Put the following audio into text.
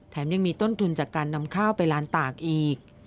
ยังมีต้นทุนจากการนำข้าวไปลานตากอีก